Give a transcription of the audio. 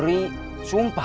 bapak bisa mencoba